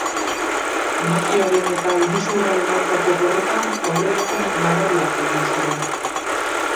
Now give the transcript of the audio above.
Mafiaren eta iruzurraren aurkako borrokan aurrerapen nabariak egin ziren.